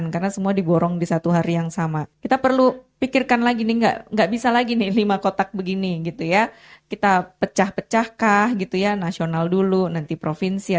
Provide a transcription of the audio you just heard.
pertama kali kita berkahwin